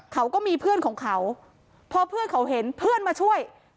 เขาก็มีเพื่อนของเขาพอเพื่อนเขาเห็นเพื่อนมาช่วย